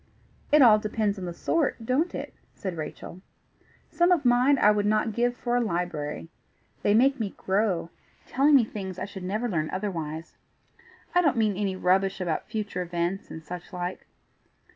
"It all depends on the sort, don't it?" said Rachel. "Some of mine I would not give for a library. They make me grow, telling me things I should never learn otherwise. I don't mean any rubbish about future events, and such like.